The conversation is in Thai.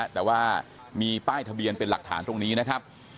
แต่ว่ามีป้ายทะเบียนเป็นหลักฐานตรงนี้นะครับ